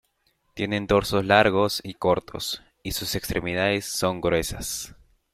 Tienen torsos largos y cortos y sus extremidades son gruesas.